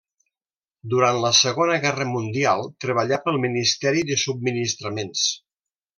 Durant la Segona Guerra Mundial treballà pel Ministeri de Subministraments.